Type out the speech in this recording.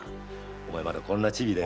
お前まだこんなチビでよ。